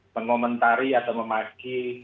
mengomentari atau memaiki